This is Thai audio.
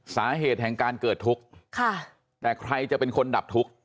สาเหตุแห่งการเกิดทุกข์ค่ะแต่ใครจะเป็นคนดับทุกข์